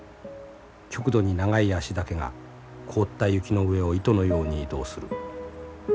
極度に長い脚だけが凍った雪の上を糸のように移動する。